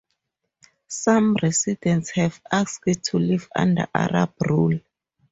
Some residents have asked to live under Arab rule.